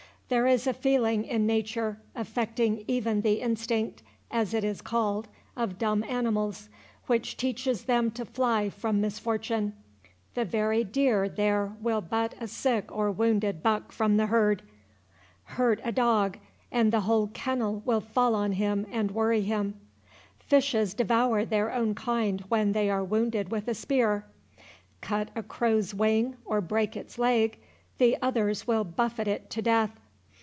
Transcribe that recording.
There is a feeling in nature, affecting even the instinct, as it is called, of dumb animals, which teaches them to fly from misfortune. The very deer there will butt a sick or wounded buck from the herd; hurt a dog, and the whole kennel will fall on him and worry him; fishes devour their own kind when they are wounded with a spear; cut a crow's wing, or break its leg, the others will buffet it to death."